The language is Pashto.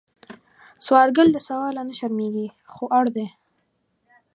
سوالګر له سوال نه شرمېږي، خو اړ دی